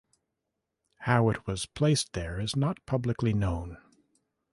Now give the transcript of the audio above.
How it was placed there is not publicly known.